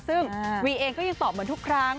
ซึ่งวีเองก็ยังตอบเหมือนทุกครั้ง